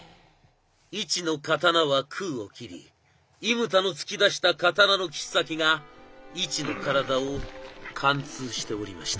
イチの刀は空を斬り伊牟田の突き出した刀の切っ先がイチの体を貫通しておりました。